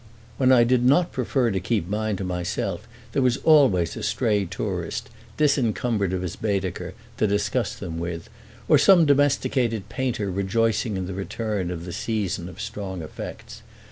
When I did not prefer to keep mine to myself there was always a stray tourist, disencumbered of his Baedeker, to discuss them with, or some domesticated painter rejoicing in the return of the season of strong effects.